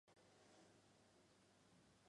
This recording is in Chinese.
瓦地区塞尔维耶。